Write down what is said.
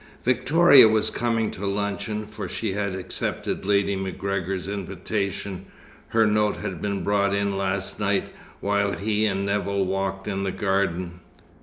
Victoria was coming to luncheon, for she had accepted Lady MacGregor's invitation. Her note had been brought in last night, while he and Nevill walked in the garden.